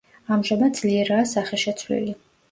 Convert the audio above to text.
ამჟამად ძლიერაა სახეშეცვლილი.